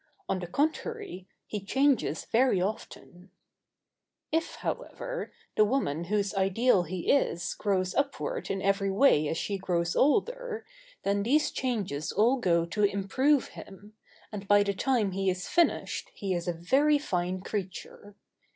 On the contrary, he changes very often. [Sidenote: The ideal changes with the idealist.] If, however, the woman whose ideal he is grows upward in every way as she grows older, then these changes all go to improve him, and by the time he is finished he is a very fine creature.